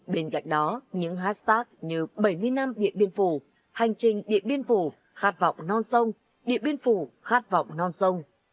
bên cạnh đó những hack như bảy mươi năm điện biên phủ hành trình điện biên phủ khát vọng non sông điện biên phủ khát vọng non sông